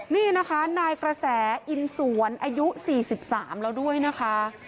นี่นะคะนายกระแสอินสวนอายุ๔๓แล้วด้วยนะคะ